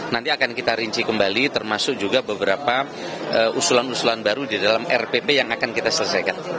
nanti akan kita rinci kembali termasuk juga beberapa usulan usulan baru di dalam rpp yang akan kita selesaikan